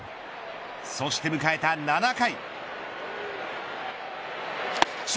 そして迎えた７回。